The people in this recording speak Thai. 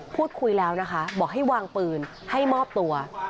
พูดคุยแล้วนะคะบอกให้วางปืนให้มอบตัว